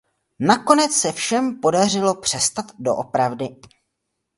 Nakonec se všem podařilo přestat doopravdy.